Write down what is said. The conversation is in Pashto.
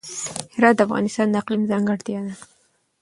هرات د افغانستان د اقلیم ځانګړتیا ده.